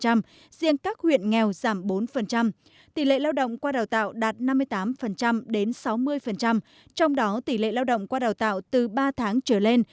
riêng các huyện nghèo giảm bốn tỷ lệ lao động qua đào tạo đạt năm mươi tám đến sáu mươi trong đó tỷ lệ lao động qua đào tạo từ ba tháng trở lên